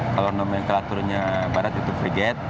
kalau nomenklaturnya barat itu frigate